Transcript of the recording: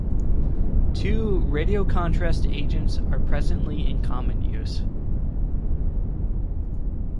Two radiocontrast agents are presently in common use.